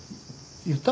言った？